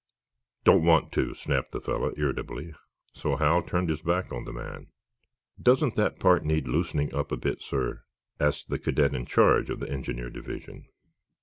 "Don't want to," snapped the fellow, irritably. So Hal turned his back on the man. "Doesn't that part need loosening up a bit, sir?" asked the cadet in charge of the engineer division.